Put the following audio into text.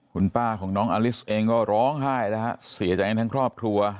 คุณป้าของน้องอลิสเองก็ร้องไห้แล้วฮะเสียใจทั้งครอบครัว